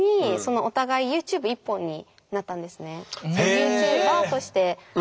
ユーチューバーとして生活を。